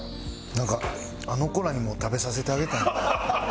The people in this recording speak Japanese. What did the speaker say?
なんかあの子らにも食べさせてあげたい。